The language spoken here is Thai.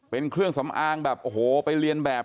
เป็นเครื่องสำอางแบบโอ้โหไปเรียนแบบ